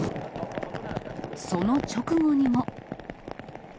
その直後にも。